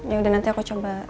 yaudah nanti aku coba